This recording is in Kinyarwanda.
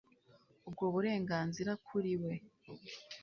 ubwo burenganzira kuri we